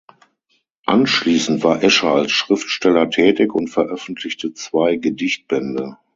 Anschließend war Escher als Schriftsteller tätig und veröffentlichte zwei Gedichtbände.